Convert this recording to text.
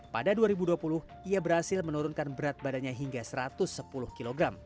pada dua ribu dua puluh ia berhasil menurunkan berat badannya hingga satu ratus sepuluh kg